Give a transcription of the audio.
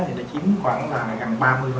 thì nó chiếm khoảng là gần ba